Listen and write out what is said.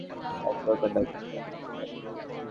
এক প্রকার না খেয়েই তাদের দিন কাটছে।